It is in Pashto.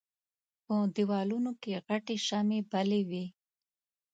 په دېوالونو کې غټې شمعې بلې وې.